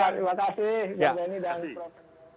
terima kasih bang benny dan prof